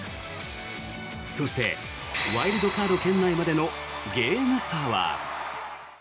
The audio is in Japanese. そしてワイルドカード圏内までのゲーム差は。